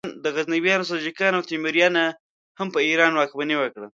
غزنویانو، سلجوقیانو او تیموریانو هم په ایران واکمني وکړه.